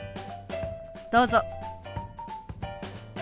どうぞ。